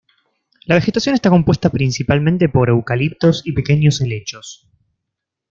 La vegetación está compuesta principalmente por eucaliptos y pequeños helechos.